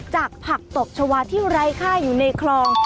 จากผักตบชาวาที่ไร้ค่าอยู่ในคลอง